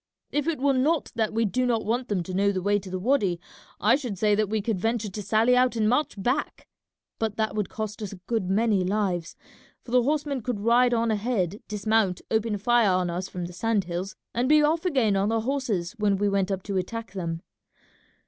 If it were not that we do not want them to know the way to the wady I should say that we could venture to sally out and march back, but that would cost us a good many lives, for the horsemen could ride on ahead, dismount, open fire on us from the sand hills, and be off again on their horses when we went up to attack them.